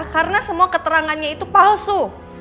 karena semua keterangannya itu palsu